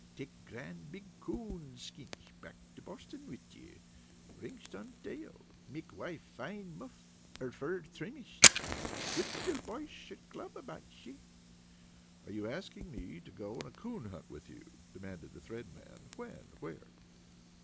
Take grand big coon skinch back to Boston with you. Ringsh on tail. Make wife fine muff, or fur trimmingsh. Good to till boysh at club about, shee?" "Are you asking me to go on a coon hunt with you?" demanded the Thread Man. "When? Where?"